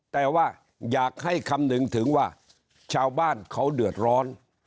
แต่ว่าอยากให้คำนึงถึงว่าชาวบ้านเขาเดือดร้อน